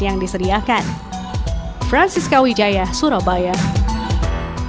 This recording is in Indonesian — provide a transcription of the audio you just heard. kuliner halloween dihargai rp satu ratus lima puluh dan rp dua ratus sepuluh